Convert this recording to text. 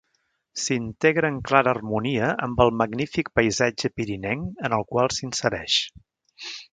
S'integra en clara harmonia amb el magnífic paisatge pirinenc en el qual s'insereix.